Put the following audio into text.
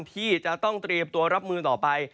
ที่จะต้องเตรียมตัวรับมือต่อไป